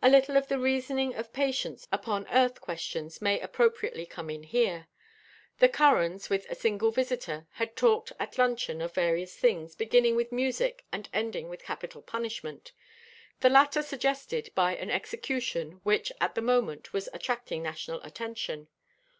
A little of the reasoning of Patience upon Earth questions may appropriately come in here. The Currans, with a single visitor, had talked at luncheon of various things, beginning with music and ending with capital punishment, the latter suggested by an execution which at the moment was attracting national attention.